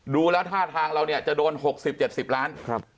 ดูแล้วท่าทางเราเนี่ยจะโดน๖๐๗๐ล้าน